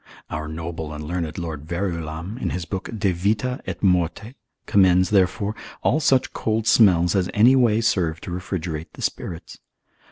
Our noble and learned Lord Verulam, in his book de vita et morte, commends, therefore, all such cold smells as any way serve to refrigerate the spirits.